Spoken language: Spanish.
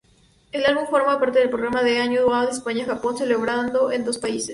El álbum forma parte del programa del Año-Dual España-Japón celebrado en ambos países.